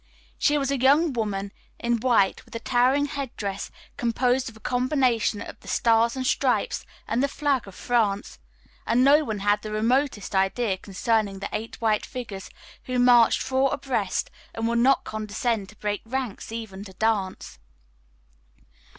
So was a young woman in white with a towering headdress composed of a combination of the Stars and Stripes and the flag of France. And no one had the remotest idea concerning the eight white figures who marched four abreast and would not condescend to break ranks even to dance.